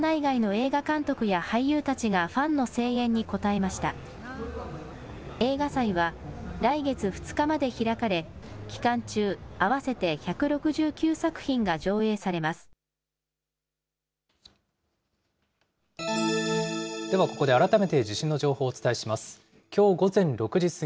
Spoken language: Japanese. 映画祭は来月２日まで開かれ、期間中、合わせて１６９作品が上映されます。